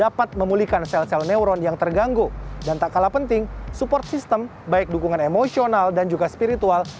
dapat memulihkan sel sel neuron yang terganggu dan tak kalah penting support system baik dukungan emosional dan juga spiritual